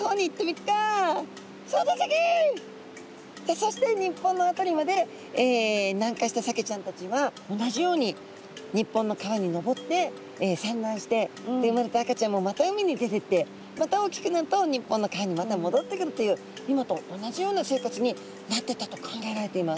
そして日本の辺りまで南下したサケちゃんたちは同じように日本の川に上って産卵してで生まれた赤ちゃんもまた海に出てってまた大きくなると日本の川にまたもどってくるという今と同じような生活になってったと考えられています。